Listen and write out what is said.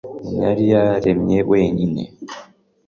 nyina yari yaremye wenyine.